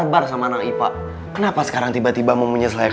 gara gara dia ini